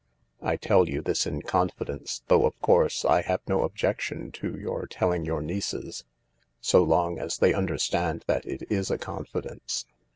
I tell you this in confidence, though of course I can have no objec tion to your telling your nieces — so long as they understand that it is a confidence.